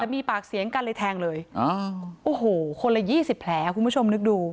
มีปากเสียงกันเลยแทงเลยโอ้โหคนละยี่สิบแผลคุณผู้ชมนึกดู